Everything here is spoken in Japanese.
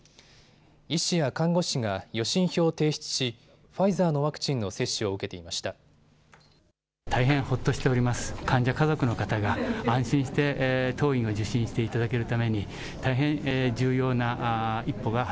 医師や看護師が予診票を提出し、ファイザーのワクチンの接種を受けていました。